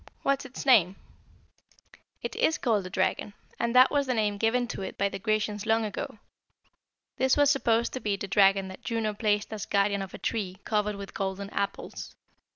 "What is its name?" "It is called the Dragon, as that was the name given to it by the Grecians long ago. This was supposed to be the dragon that Juno placed as guardian of a tree covered with golden apples.